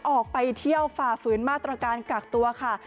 ออกไปเที่ยวฝ่าฝืนมาตรการกักตัวค่ะ